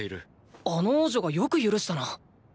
あの王女がよく許したな。